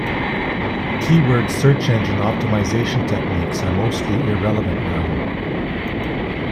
Keyword search engine optimization techniques are mostly irrelevant now.